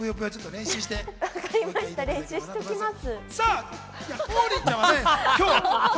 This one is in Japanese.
練習しておきます。